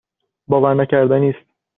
باورنکردنی است.